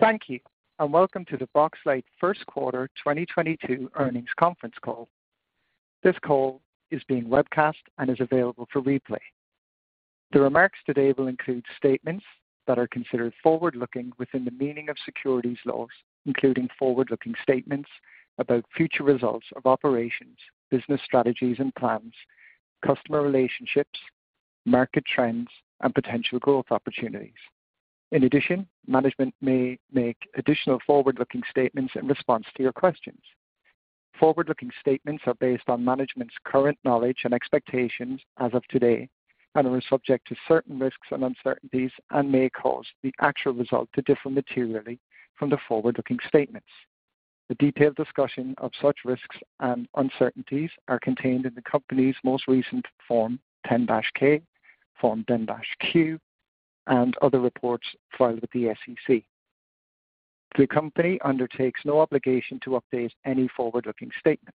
Thank you and welcome to the Boxlight first quarter 2022 earnings conference call. This call is being webcast and is available for replay. The remarks today will include statements that are considered forward-looking within the meaning of securities laws, including forward-looking statements about future results of operations, business strategies and plans, customer relationships, market trends and potential growth opportunities. In addition, management may make additional forward-looking statements in response to your questions. Forward-looking statements are based on management's current knowledge and expectations as of today, and are subject to certain risks and uncertainties and may cause the actual result to differ materially from the forward-looking statements. The detailed discussion of such risks and uncertainties are contained in the company's most recent Form 10-K, Form 10-Q, and other reports filed with the SEC. The company undertakes no obligation to update any forward-looking statements.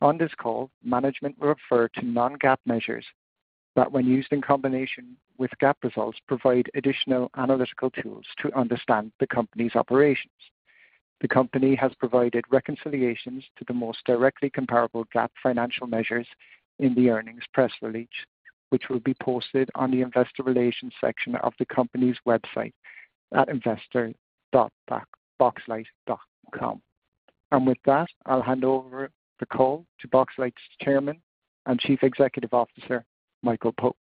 On this call, management will refer to non-GAAP measures that, when used in combination with GAAP results, provide additional analytical tools to understand the company's operations. The company has provided reconciliations to the most directly comparable GAAP financial measures in the earnings press release, which will be posted on the investor relations section of the company's website at investors.boxlight.com. With that, I'll hand over the call to Boxlight's Chairman and Chief Executive Officer, Michael Pope.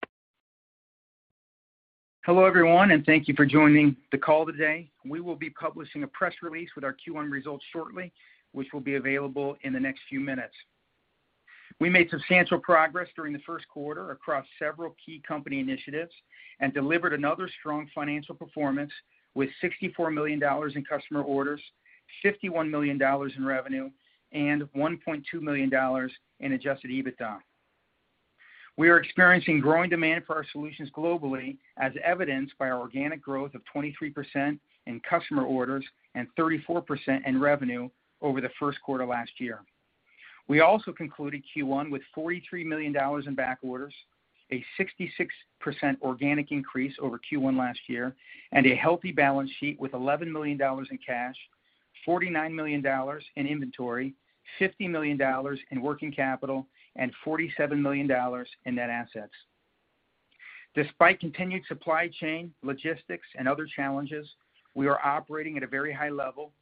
Hello, everyone, and thank you for joining the call today. We will be publishing a press release with our Q1 results shortly, which will be available in the next few minutes. We made substantial progress during the first quarter across several key company initiatives and delivered another strong financial performance with $64 million in customer orders, $51 million in revenue, and $1.2 million in adjusted EBITDA. We are experiencing growing demand for our solutions globally, as evidenced by our organic growth of 23% in customer orders and 34% in revenue over the first quarter last year. We also concluded Q1 with $43 million in back orders, a 66% organic increase over Q1 last year, and a healthy balance sheet with $11 million in cash, $49 million in inventory, $50 million in working capital and $47 million in net assets. Despite continued supply chain, logistics and other challenges, we are operating at a very high level.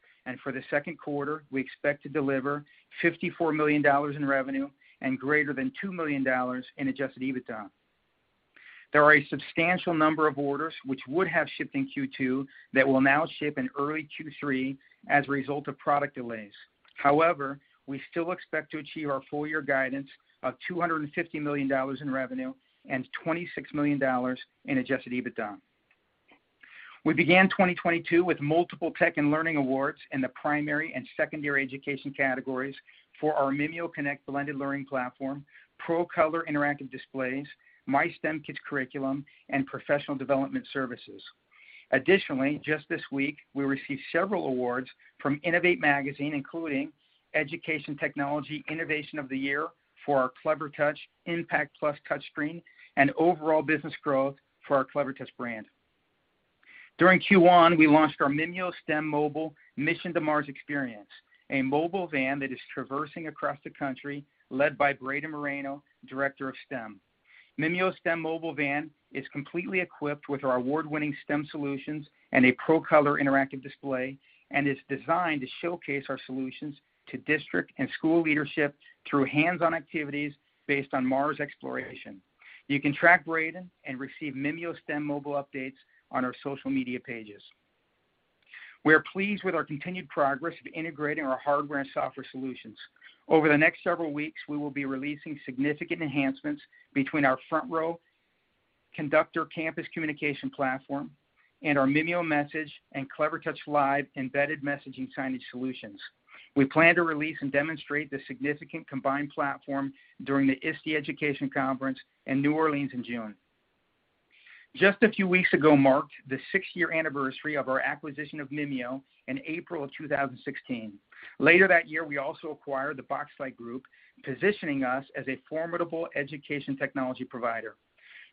For the second quarter, we expect to deliver $54 million in revenue and greater than $2 million in adjusted EBITDA. There are a substantial number of orders which would have shipped in Q2 that will now ship in early Q3 as a result of product delays. However, we still expect to achieve our full year guidance of $250 million in revenue and $26 million in adjusted EBITDA. We began 2022 with multiple tech and learning awards in the primary and secondary education categories for our MimioConnect blended learning platform, ProColor interactive displays, MyStemKits curriculum, and professional development services. Additionally, just this week we received several awards from Innovate Magazine, including Education Technology Innovation of the Year for our Clevertouch IMPACT Plus touchscreen and overall business growth for our Clevertouch brand. During Q1, we launched our MimioSTEM Mobile Mission to Mars Experience, a mobile van that is traversing across the country, led by Braydon Moreno, Director of STEM Solutions. MimioSTEM Mobile van is completely equipped with our award-winning STEM solutions and a ProColor interactive display, and is designed to showcase our solutions to district and school leadership through hands-on activities based on Mars exploration. You can track Braydon and receive MimioSTEM Mobile updates on our social media pages. We are pleased with our continued progress of integrating our hardware and software solutions. Over the next several weeks, we will be releasing significant enhancements between our FrontRow Conductor campus communication platform and our MimioMessage and CleverLive embedded messaging signage solutions. We plan to release and demonstrate the significant combined platform during the ISTE Education Conference in New Orleans in June. Just a few weeks ago marked the 6-year anniversary of our acquisition of Mimio in April of 2016. Later that year, we also acquired the Boxlight Group, positioning us as a formidable education technology provider.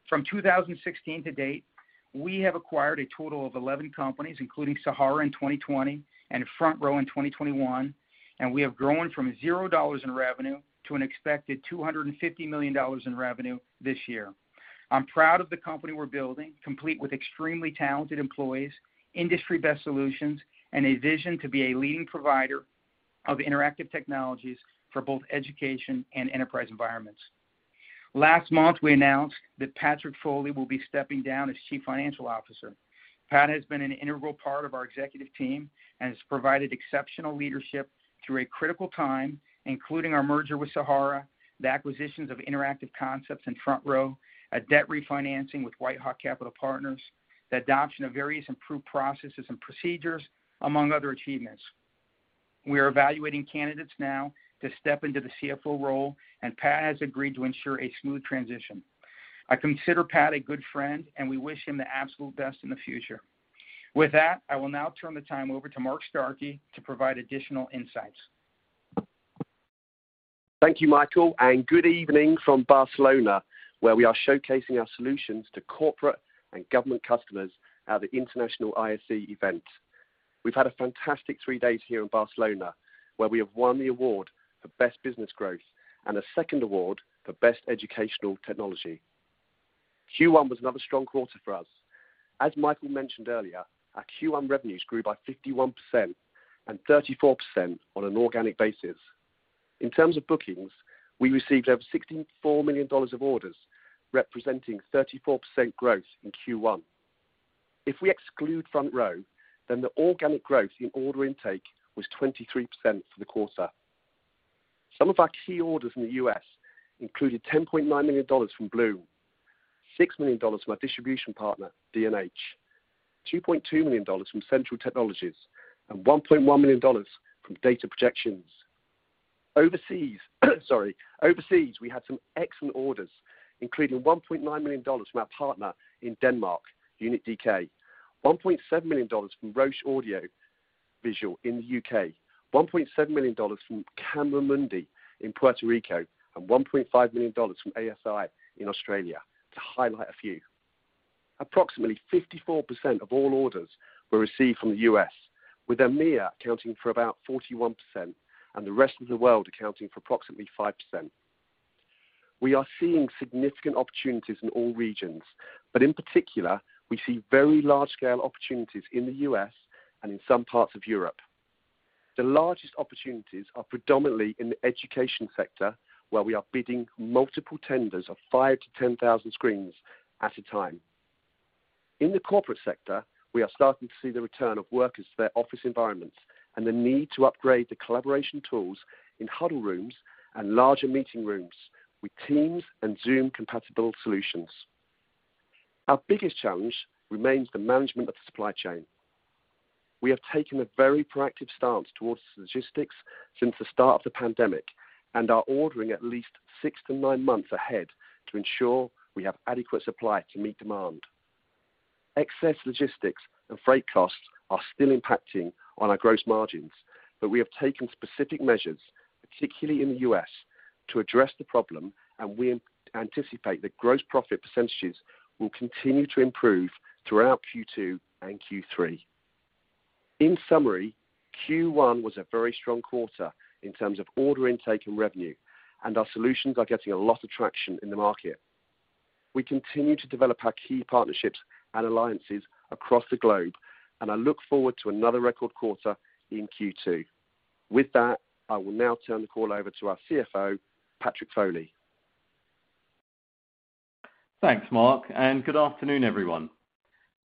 From 2016 to date, we have acquired a total of 11 companies, including Sahara in 2020 and FrontRow in 2021, and we have grown from $0 in revenue to an expected $250 million in revenue this year. I'm proud of the company we're building, complete with extremely talented employees, industry best solutions, and a vision to be a leading provider of interactive technologies for both education and enterprise environments. Last month we announced that Patrick Foley will be stepping down as Chief Financial Officer. Pat has been an integral part of our executive team and has provided exceptional leadership through a critical time, including our merger with Sahara, the acquisitions of Interactive Concepts and FrontRow, a debt refinancing with WhiteHawk Capital Partners, the adoption of various improved processes and procedures, among other achievements. We are evaluating candidates now to step into the CFO role, and Pat has agreed to ensure a smooth transition. I consider Pat a good friend and we wish him the absolute best in the future. With that, I will now turn the time over to Mark Starkey to provide additional insights. Thank you, Michael, and good evening from Barcelona, where we are showcasing our solutions to corporate and government customers at the International ISE event. We've had a fantastic three days here in Barcelona, where we have won the award for best business growth and a second award for best educational technology. Q1 was another strong quarter for us. As Michael mentioned earlier, our Q1 revenues grew by 51% and 34% on an organic basis. In terms of bookings, we received over $64 million of orders, representing 34% growth in Q1. If we exclude FrontRow, then the organic growth in order intake was 23% for the quarter. Some of our key orders in the US included $10.9 million from Bloom, $6 million from our distribution partner, D&H, $2.2 million from Centurion Technologies, and $1.1 million from Data Projections. Overseas, we had some excellent orders, including $1.9 million from our partner in Denmark, Unit IT, $1.7 million from Roche Audio Visual in the U.K., $1.7 million from Camera Mundi in Puerto Rico, and $1.5 million from ASI in Australia, to highlight a few. Approximately 54% of all orders were received from the US, with EMEIA accounting for about 41% and the rest of the world accounting for approximately 5%. We are seeing significant opportunities in all regions, but in particular, we see very large-scale opportunities in the U.S. and in some parts of Europe. The largest opportunities are predominantly in the education sector, where we are bidding multiple tenders of 5,000-10,000 screens at a time. In the corporate sector, we are starting to see the return of workers to their office environments and the need to upgrade the collaboration tools in huddle rooms and larger meeting rooms with Teams and Zoom-compatible solutions. Our biggest challenge remains the management of the supply chain. We have taken a very proactive stance towards logistics since the start of the pandemic, and are ordering at least six-nine months ahead to ensure we have adequate supply to meet demand. Excess logistics and freight costs are still impacting on our gross margins, but we have taken specific measures, particularly in the U.S., to address the problem, and we anticipate that gross profit percentages will continue to improve throughout Q2 and Q3. In summary, Q1 was a very strong quarter in terms of order intake and revenue, and our solutions are getting a lot of traction in the market. We continue to develop our key partnerships and alliances across the globe, and I look forward to another record quarter in Q2. With that, I will now turn the call over to our CFO, Patrick Foley. Thanks, Mark, and good afternoon, everyone.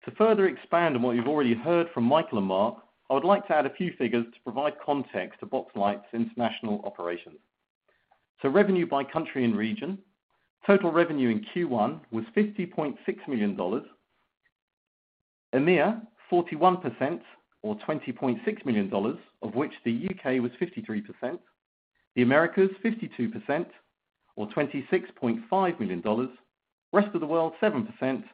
To further expand on what you've already heard from Michael and Mark, I would like to add a few figures to provide context to Boxlight's international operations. Revenue by country and region. Total revenue in Q1 was $50.6 million. EMEIA, 41% or $20.6 million, of which the UK was 53%. The Americas, 52% or $26.5 million. Rest of the world, 7%,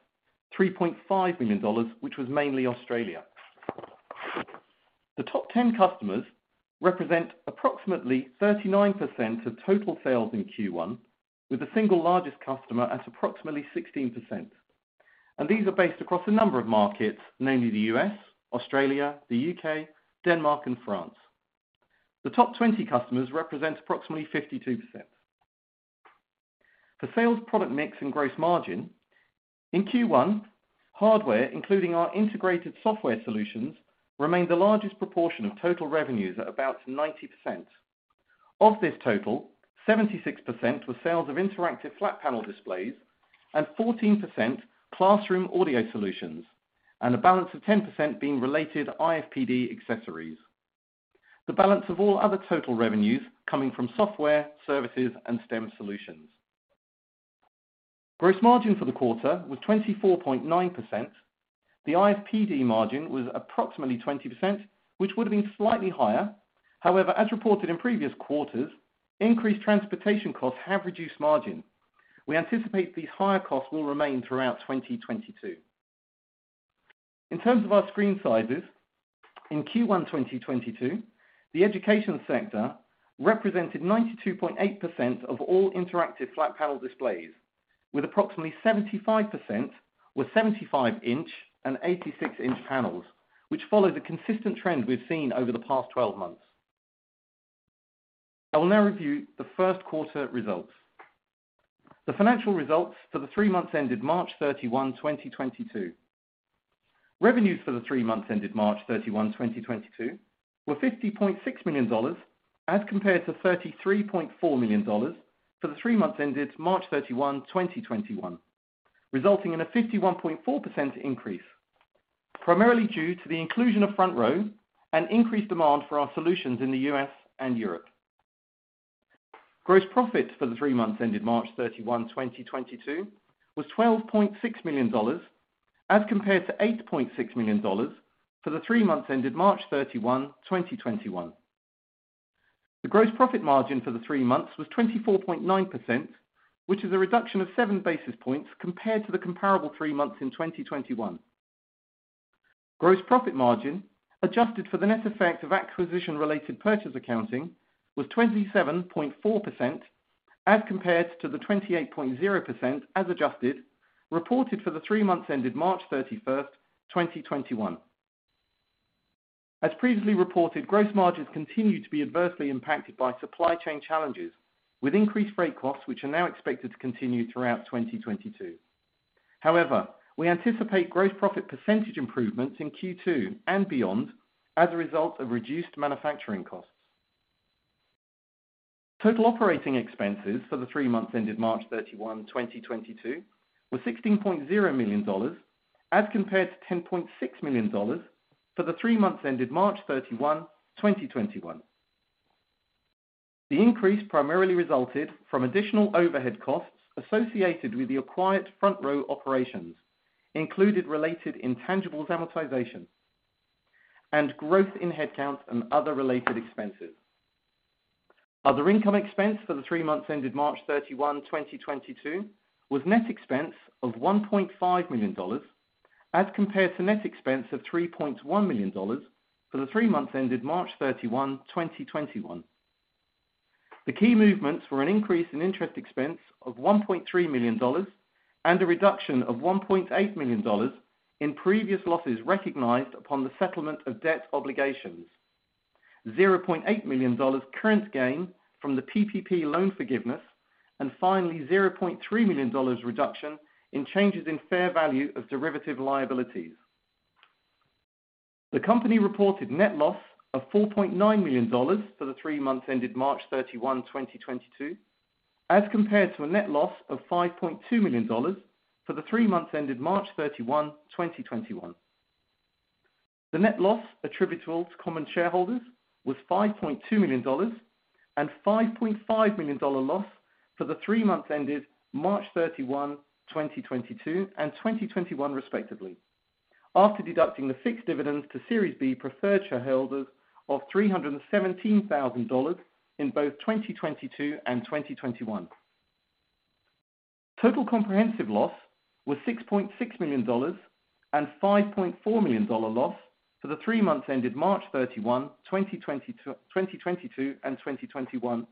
$3.5 million, which was mainly Australia. The top ten customers represent approximately 39% of total sales in Q1, with the single largest customer at approximately 16%. These are based across a number of markets, namely the U.S., Australia, the U.K., Denmark, and France. The top twenty customers represent approximately 52%. The sales product mix and gross margin. In Q1, hardware, including our integrated software solutions, remained the largest proportion of total revenues at about 90%. Of this total, 76% were sales of interactive flat panel displays and 14% classroom audio solutions, and a balance of 10% being related IFPD accessories. The balance of all other total revenues coming from software, services, and STEM solutions. Gross margin for the quarter was 24.9%. The IFPD margin was approximately 20%, which would have been slightly higher. However, as reported in previous quarters, increased transportation costs have reduced margin. We anticipate these higher costs will remain throughout 2022. In terms of our screen sizes, in Q1 2022, the education sector represented 92.8% of all interactive flat panel displays, with approximately 75% were 75-inch and 86-inch panels, which followed a consistent trend we've seen over the past 12 months. I will now review the first quarter results. The financial results for the three months ended March 31, 2022. Revenues for the three months ended March 31, 2022 were $50.6 million as compared to $33.4 million for the three months ended March 31, 2021, resulting in a 51.4% increase, primarily due to the inclusion of FrontRow and increased demand for our solutions in the U.S. and Europe. Gross profits for the three months ended March 31, 2022 was $12.6 million as compared to $8.6 million for the three months ended March 31, 2021. The gross profit margin for the three months was 24.9%, which is a reduction of seven basis points compared to the comparable three months in 2021. Gross profit margin adjusted for the net effect of acquisition-related purchase accounting was 27.4% as compared to the 28.0% as adjusted, reported for the three months ended March 31, 2021. As previously reported, gross margins continued to be adversely impacted by supply chain challenges with increased freight costs, which are now expected to continue throughout 2022. However, we anticipate gross profit percentage improvements in Q2 and beyond as a result of reduced manufacturing costs. Total operating expenses for the three months ended March 31, 2022 were $16.0 million as compared to $10.6 million for the three months ended March 31, 2021. The increase primarily resulted from additional overhead costs associated with the acquired FrontRow operations, including related intangibles amortization and growth in headcount and other related expenses. Other income expense for the three months ended March 31, 2022 was net expense of $1.5 million as compared to net expense of $3.1 million for the three months ended March 31, 2021. The key movements were an increase in interest expense of $1.3 million and a reduction of $1.8 million in previous losses recognized upon the settlement of debt obligations. $0.8 million current gain from the PPP loan forgiveness, and finally, $0.3 million reduction in changes in fair value of derivative liabilities. The company reported net loss of $4.9 million for the three months ended March 31, 2022, as compared to a net loss of $5.2 million for the three months ended March 31, 2021. The net loss attributable to common shareholders was $5.2 million and $5.5 million dollars loss for the three months ended March 31, 2022 and 2021 respectively, after deducting the fixed dividends to Series B preferred shareholders of $317,000 in both 2022 and 2021. Total comprehensive loss was $6.6 million dollars and $5.4 million dollar loss for the three months ended March 31, 2022 and 2021,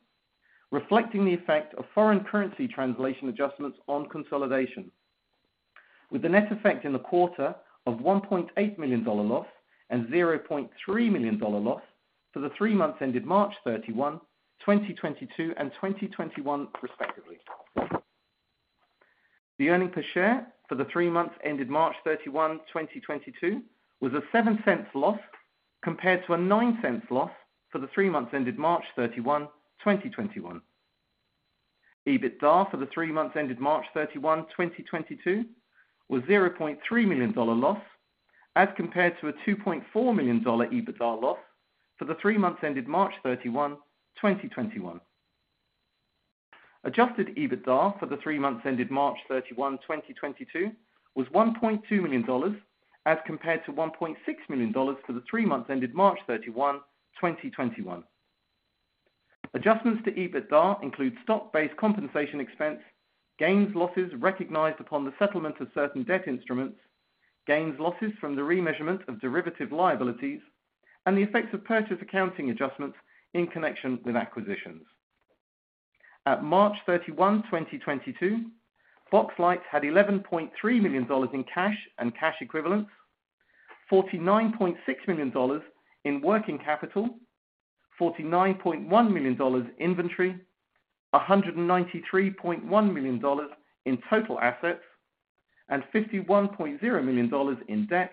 reflecting the effect of foreign currency translation adjustments on consolidation. With the net effect in the quarter of $1.8 million dollar loss and $0.3 million dollar loss for the three months ended March 31, 2022 and 2021 respectively. The earnings per share for the three months ended March 31, 2022 was a 0.07 loss compared to a 0.09 loss for the three months ended March 31, 2021. EBITDA for the three months ended March 31, 2022 was $0.3 million dollar loss as compared to a $2.4 million dollar EBITDA loss for the three months ended March 31, 2021. Adjusted EBITDA for the three months ended March 31, 2022 was $1.2 million as compared to $1.6 million for the three months ended March 31, 2021. Adjustments to EBITDA include stock-based compensation expense, gains/losses recognized upon the settlement of certain debt instruments, gains/losses from the remeasurement of derivative liabilities, and the effects of purchase accounting adjustments in connection with acquisitions. At March 31, 2022, Boxlight had $11.3 million in cash and cash equivalents, $49.6 million in working capital, $49.1 million in inventory, $193.1 million in total assets, and $51.0 million in debt,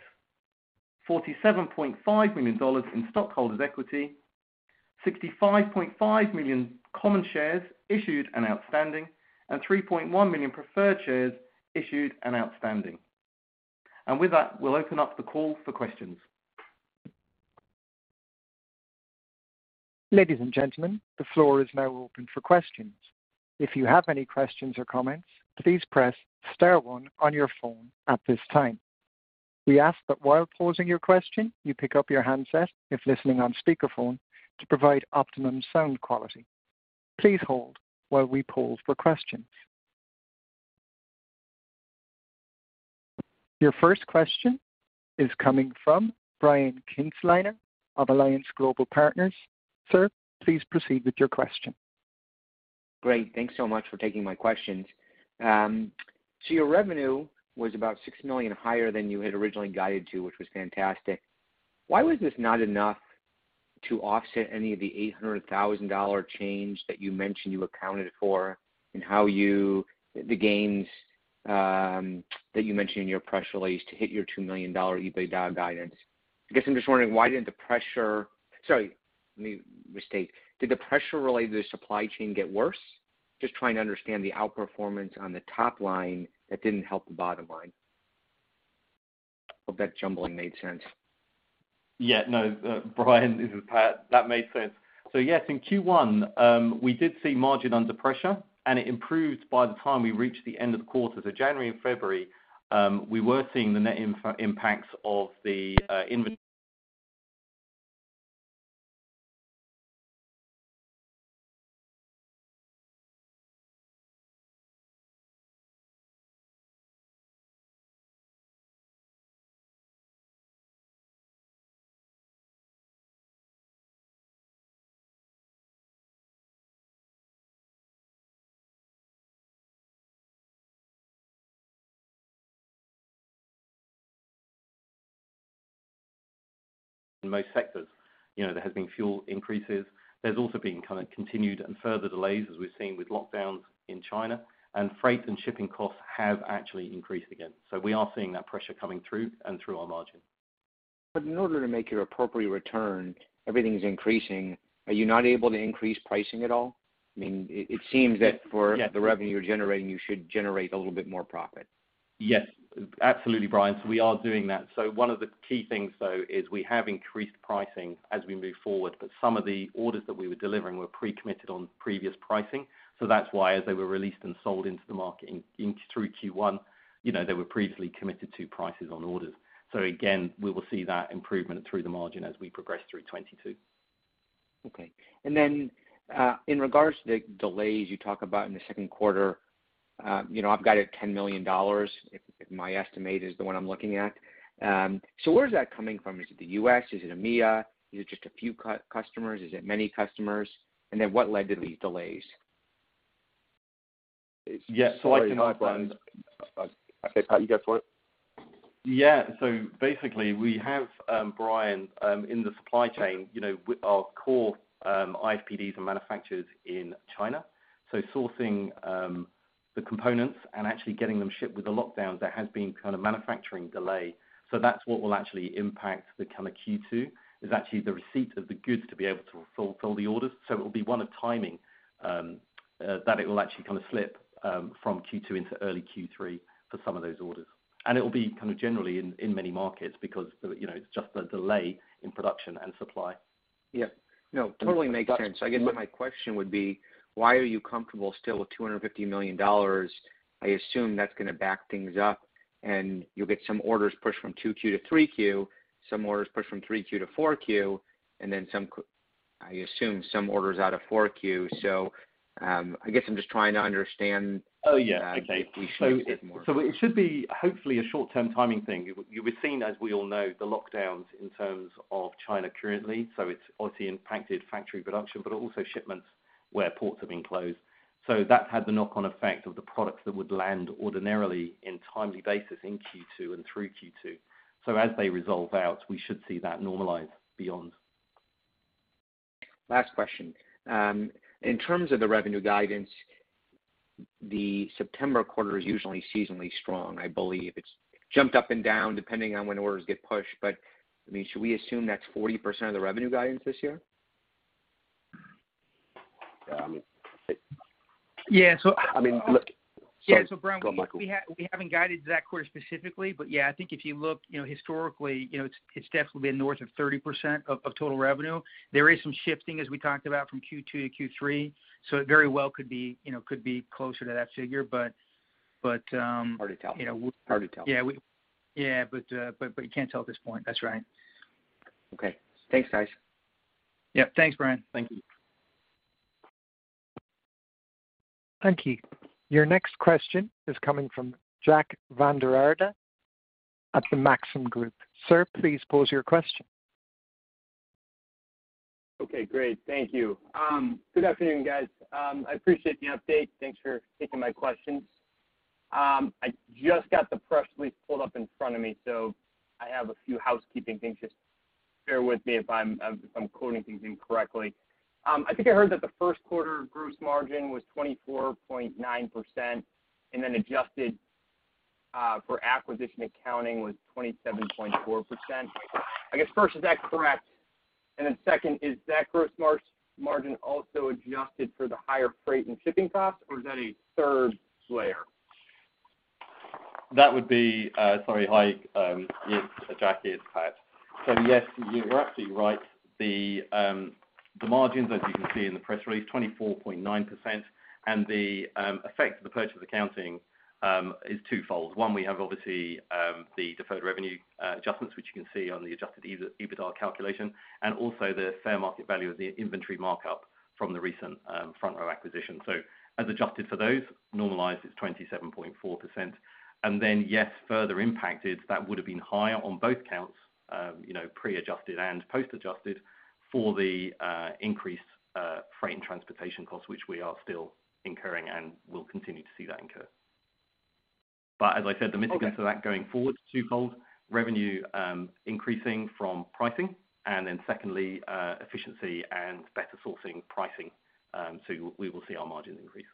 $47.5 million in stockholders' equity, 65.5 million common shares issued and outstanding, and 3.1 million preferred shares issued and outstanding. With that, we'll open up the call for questions. Ladies and gentlemen, the floor is now open for questions. If you have any questions or comments, please press star one on your phone at this time. We ask that while posing your question, you pick up your handset if listening on speakerphone to provide optimum sound quality. Please hold while we poll for questions. Your first question is coming from Brian Kinstlinger of Alliance Global Partners. Sir, please proceed with your question. Great. Thanks so much for taking my questions. So your revenue was about 6 million higher than you had originally guided to, which was fantastic. Why was this not enough to offset any of the $800,000 change that you mentioned you accounted for, and the gains that you mentioned in your press release to hit your $2 million EBITDA guidance? I guess I'm just wondering, why didn't the pressure. Sorry, let me restate. Did the pressure related to supply chain get worse? Just trying to understand the outperformance on the top line that didn't help the bottom line. Hope that jumbling made sense. Yeah. No. Brian, this is Pat. That made sense. Yes, in Q1, we did see margin under pressure, and it improved by the time we reached the end of the quarter. January and February, we were seeing the net inflation impacts of the inventory. In most sectors, you know, there has been fuel increases. There's also been kind of continued and further delays, as we've seen with lockdowns in China, and freight and shipping costs have actually increased again. We are seeing that pressure coming through and through our margin. In order to make your appropriate return, everything's increasing. Are you not able to increase pricing at all? I mean, it seems that for- Yes. The revenue you're generating, you should generate a little bit more profit. Yes. Absolutely, Brian. We are doing that. One of the key things, though, is we have increased pricing as we move forward, but some of the orders that we were delivering were pre-committed on previous pricing. That's why as they were released and sold into the market through Q1, you know, they were previously committed to prices on orders. Again, we will see that improvement through the margin as we progress through 2022. Okay. In regards to the delays you talk about in the second quarter, you know, I've got it at $10 million if my estimate is the one I'm looking at. Where is that coming from? Is it the U.S.? Is it EMEA? Is it just a few customers? Is it many customers? What led to these delays? Yeah. Sorry. Hi, Brian. Okay, Pat, you go for it. Yeah. Basically, we have, Brian, in the supply chain, you know, with our core IFPDs are manufactured in China. Sourcing the components and actually getting them shipped with the lockdowns, there has been kind of manufacturing delay. That's what will actually impact the kind of Q2, is actually the receipt of the goods to be able to fulfill the orders. It will be one of timing, that it will actually kind of slip from Q2 into early Q3 for some of those orders. It will be kind of generally in many markets because you know, it's just a delay in production and supply. Yeah. No, totally makes sense. I guess my question would be, why are you comfortable still with $250 million? I assume that's gonna back things up, and you'll get some orders pushed from 2Q to 3Q, some orders pushed from 3Q-4Q, and then some orders out of 4Q. I guess I'm just trying to understand. Oh, yeah. Okay. If we see it more. It should be hopefully a short-term timing thing. You were seeing, as we all know, the lockdowns in terms of China currently. It's obviously impacted factory production, but also shipments where ports have been closed. That had the knock-on effect of the products that would land ordinarily in timely basis in Q2 and through Q2. As they resolve out, we should see that normalize beyond. Last question. In terms of the revenue guidance, the September quarter is usually seasonally strong, I believe. It's jumped up and down depending on when orders get pushed. I mean, should we assume that's 40% of the revenue guidance this year? Yeah. I mean, look. Yeah. Brian- Sorry. Go on, Michael. We haven't guided that quarter specifically, but yeah, I think if you look, you know, historically, you know, it's definitely been north of 30% of total revenue. There is some shifting, as we talked about, from Q2 -Q3, so it very well could be, you know, could be closer to that figure. Hard to tell. You know, Hard to tell. Yeah. Yeah, but you can't tell at this point. That's right. Okay. Thanks, guys. Yeah, thanks, Brian. Thank you. Thank you. Your next question is coming from Jack Vander Aarde at the Maxim Group. Sir, please pose your question. Okay, great. Thank you. Good afternoon, guys. I appreciate the update. Thanks for taking my questions. I just got the press release pulled up in front of me, so I have a few housekeeping things. Just bear with me if I'm quoting things incorrectly. I think I heard that the first quarter gross margin was 24.9% and then adjusted for acquisition accounting was 27.4%. I guess, first, is that correct? Second, is that gross margin also adjusted for the higher freight and shipping costs, or is that a third layer? Sorry, hi, yes, Jack, it's Pat. Yes, you're absolutely right. The margins, as you can see in the press release, 24.9%. The effect of the purchase accounting is twofold. One, we have obviously the deferred revenue adjustments, which you can see on the adjusted EBITDA calculation, and also the fair market value of the inventory markup from the recent FrontRow acquisition. As adjusted for those, normalized, it's 27.4%. Then, yes, further impacted, that would have been higher on both counts, you know, pre-adjusted and post-adjusted for the increased freight and transportation costs, which we are still incurring and will continue to see that incur. As I said, the mitigants- Okay. For that going forward, twofold, revenue increasing from pricing, and then secondly, efficiency and better sourcing pricing, so we will see our margins increase.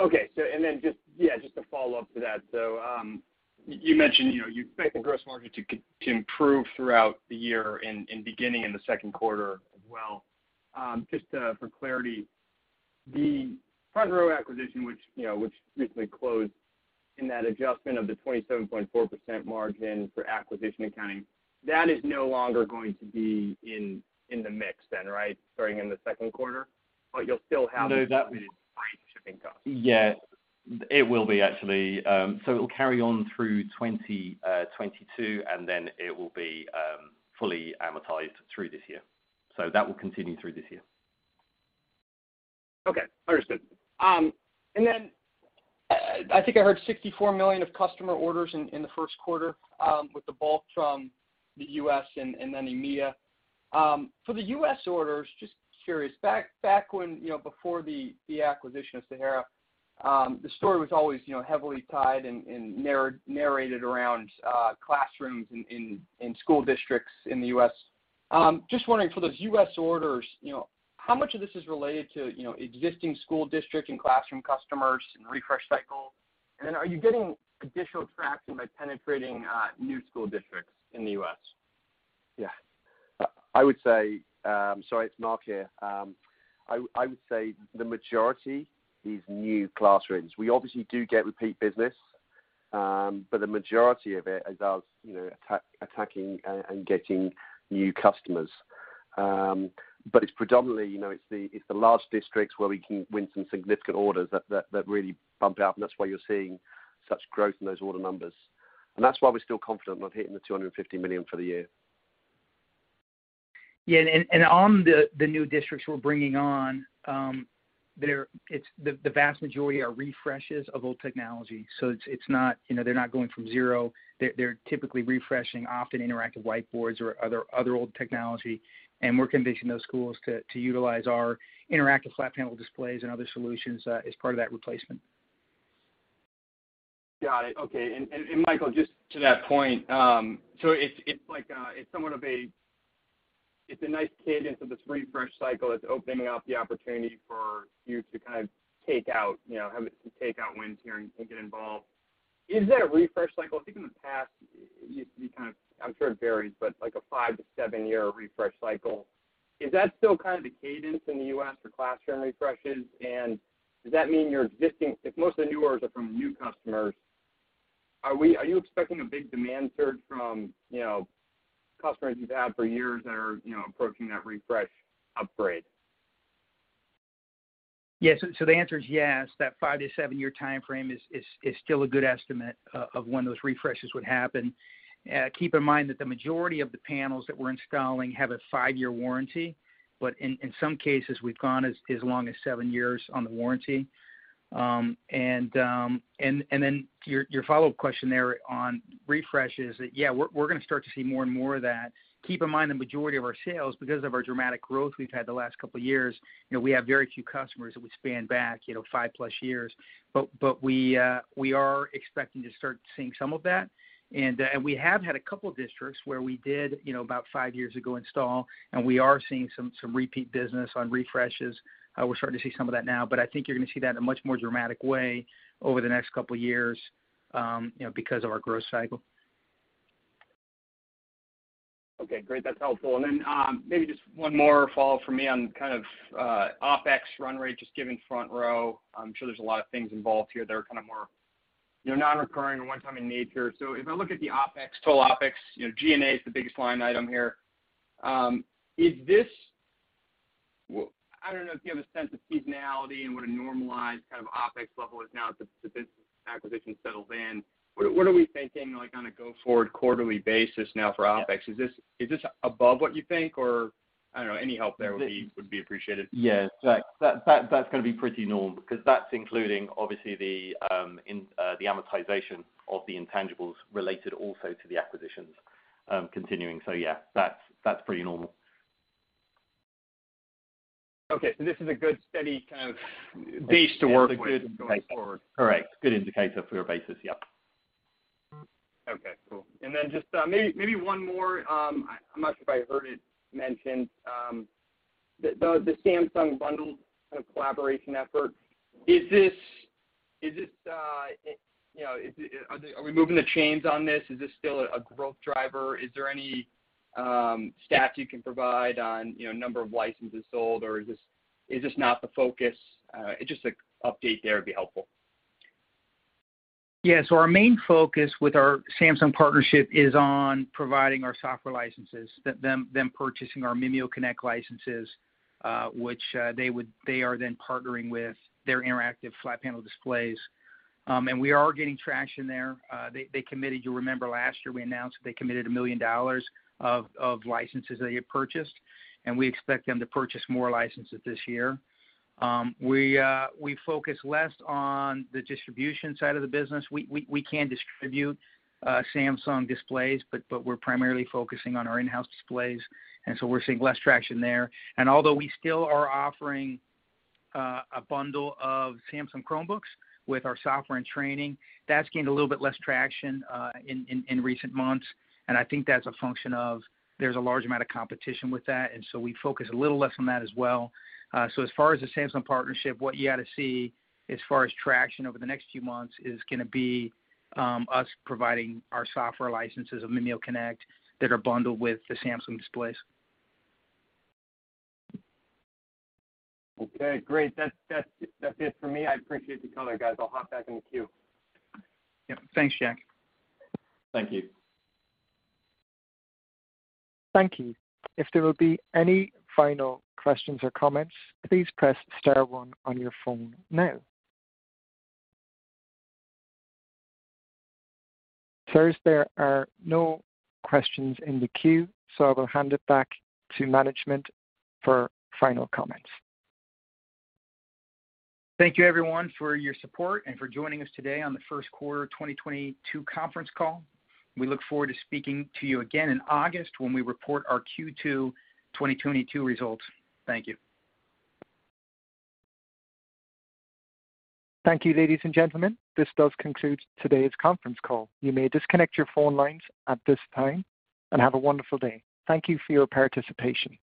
Okay. Just, yeah, just a follow-up to that. You mentioned, you know, you expect the gross margin to improve throughout the year and beginning in the second quarter as well. Just, for clarity, the FrontRow acquisition, which, you know, which recently closed in that adjustment of the 27.4% margin for acquisition accounting, that is no longer going to be in the mix then, right, starting in the second quarter? You'll still have- No. the increased freight and shipping costs. Yeah. It will be actually so it'll carry on through 2022, and then it will be fully amortized through this year. That will continue through this year. Okay, understood. I think I heard 64 million of customer orders in the first quarter, with the bulk from the U.S. and then EMEA. For the U.S. orders, just curious, back when, you know, before the acquisition of Sahara, the story was always, you know, heavily tied and narrated around classrooms in school districts in the U.S. Just wondering for those U.S. orders, you know, how much of this is related to, you know, existing school district and classroom customers and refresh cycle? Are you getting additional traction by penetrating new school districts in the U.S.? Yeah. Sorry, it's Mark here. I would say the majority is new classrooms. We obviously do get repeat business, but the majority of it is us, you know, attacking and getting new customers. It's predominantly, you know, it's the large districts where we can win some significant orders that really bump out, and that's why you're seeing such growth in those order numbers. That's why we're still confident about hitting 250 million for the year. Yeah. On the new districts we're bringing on, it's the vast majority are refreshes of old technology. It's not, you know, they're not going from zero. They're typically refreshing often interactive whiteboards or other old technology, and we're convincing those schools to utilize our interactive flat panel displays and other solutions as part of that replacement. Got it. Okay. And Michael, just to that point, so it's like, it's somewhat of a nice cadence of this refresh cycle. It's opening up the opportunity for you to kind of take out, you know, to take out wins here and get involved. Is there a refresh cycle? I think in the past it used to be kind of. I'm sure it varies, but like a five-seven-year refresh cycle. Is that still kind of the cadence in the U.S. for classroom refreshes? Does that mean your existing. If most of the new orders are from new customers, are you expecting a big demand surge from, you know, customers you've had for years that are, you know, approaching that refresh upgrade? Yes. The answer is yes, that five- to seven-year timeframe is still a good estimate of when those refreshes would happen. Keep in mind that the majority of the panels that we're installing have a 5-year warranty, but in some cases, we've gone as long as seven years on the warranty. Your follow-up question there on refreshes, yeah, we're gonna start to see more and more of that. Keep in mind the majority of our sales because of our dramatic growth we've had the last couple of years, you know, we have very few customers that go back 5+ years. We are expecting to start seeing some of that. We have had a couple of districts where we did, you know, about five years ago install, and we are seeing some repeat business on refreshes. We're starting to see some of that now, but I think you're gonna see that in a much more dramatic way over the next couple of years, you know, because of our growth cycle. Okay, great. That's helpful. Maybe just one more follow from me on kind of, OpEx run rate, just given FrontRow. I'm sure there's a lot of things involved here that are kind of more, you know, non-recurring or one-time in nature. If I look at the OpEx, total OpEx, you know, G&A is the biggest line item here. Is this. Well, I don't know if you have a sense of seasonality and what a normalized kind of OpEx level is now that the business acquisition settles in. What are we thinking, like on a go-forward quarterly basis now for OpEx? Is this above what you think or. I don't know, any help there would be appreciated. Yes. That's gonna be pretty normal because that's including obviously the amortization of the intangibles related also to the acquisitions continuing. Yeah, that's pretty normal. Okay. This is a good steady kind of. Base to work with going forward. Correct. Good indicator for your basis. Yep. Okay. Cool. Just maybe one more. I'm not sure if I heard it mentioned. The Samsung bundle kind of collaboration effort, is this you know are we moving the chains on this? Is this still a growth driver? Is there any stats you can provide on you know number of licenses sold? Or is this not the focus? Just a update there would be helpful. Yeah. Our main focus with our Samsung partnership is on providing our software licenses, them purchasing our MimioConnect licenses, which they are then partnering with their interactive flat panel displays. We are getting traction there. They committed. You remember last year we announced that they committed $1 million of licenses that they had purchased, and we expect them to purchase more licenses this year. We focus less on the distribution side of the business. We can distribute Samsung displays, but we're primarily focusing on our in-house displays, and so we're seeing less traction there. Although we still are offering a bundle of Samsung Chromebooks with our software and training, that's gained a little bit less traction in recent months. I think that's a function of there's a large amount of competition with that, and so we focus a little less on that as well. As far as the Samsung partnership, what you ought to see as far as traction over the next few months is gonna be us providing our software licenses of MimioConnect that are bundled with the Samsung displays. Okay, great. That's it for me. I appreciate the color, guys. I'll hop back in the queue. Yeah. Thanks, Jack. Thank you. Thank you. If there will be any final questions or comments, please press star one on your phone now. Sirs, there are no questions in the queue, so I will hand it back to management for final comments. Thank you, everyone, for your support and for joining us today on the first quarter 2022 conference call. We look forward to speaking to you again in August when we report our Q2 2022 results. Thank you. Thank you, ladies and gentlemen. This does conclude today's conference call. You may disconnect your phone lines at this time, and have a wonderful day. Thank you for your participation.